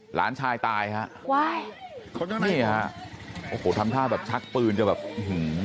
หลานชายตายฮะว้ายนี่ฮะโอ้โหทำท่าแบบชักปืนจะแบบอื้อหือ